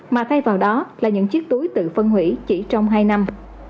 mà thay vào đó là những chiếc túi tự phân hủy chỉ trong hai năm